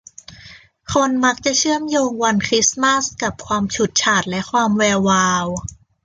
คนมักจะเชื่อมโยงวันคริสมาสต์กับความฉูดฉาดและความแวววาว